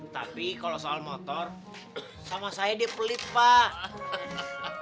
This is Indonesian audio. tapi kalau soal motor sama saya dia pelit pak